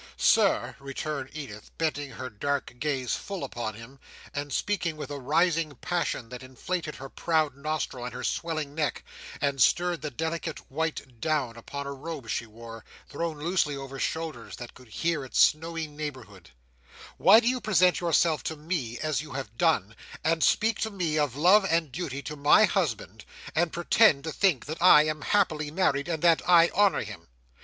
"Sir," returned Edith, bending her dark gaze full upon him, and speaking with a rising passion that inflated her proud nostril and her swelling neck, and stirred the delicate white down upon a robe she wore, thrown loosely over shoulders that could bear its snowy neighbourhood, "Why do you present yourself to me, as you have done, and speak to me of love and duty to my husband, and pretend to think that I am happily married, and that I honour him?